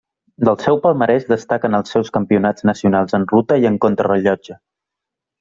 Del seu palmarès destaquen els seus campionats nacionals en ruta i en contrarellotge.